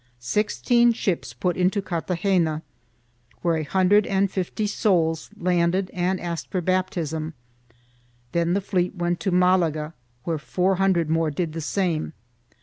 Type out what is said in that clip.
Sixteen ships put into Cartagena, where a hundred and fifty souls landed and asked for baptism; then the fleet went to Malaga, where four hundred more did the same.